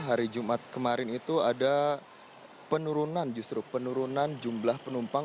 hari jumat kemarin itu ada penurunan justru penurunan jumlah penumpang